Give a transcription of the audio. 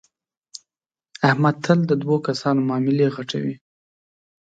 احمد تل د دو کسانو معاملې غټوي.